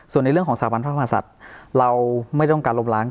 ส่วนในเรื่องของสถาบันพระมหาศัตริย์เราไม่ต้องการล้มล้าง